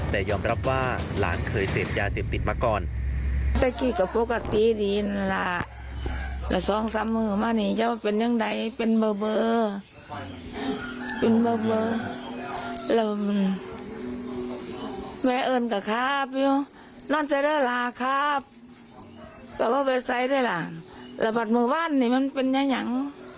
แต่ยอมรับว่าหลานเคยเสพยาเสพติดมาก่อน